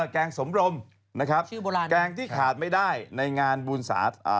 แกงสมรมนะครับชื่อโบราณแกงที่ขาดไม่ได้ในงานบุญศาสตร์อ่า